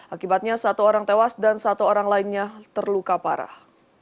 akibatnya satu orang tewas dan satu orang lainnya terluka parah